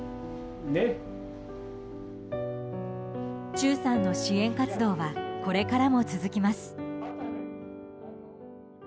忠さんの支援活動はこれからも続きます。